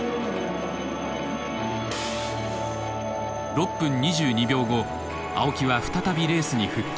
６分２２秒後青木は再びレースに復帰。